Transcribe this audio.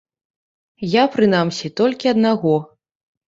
Я, прынамсі, толькі аднаго.